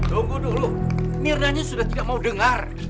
tunggu dulu mirna nya sudah tidak mau dengar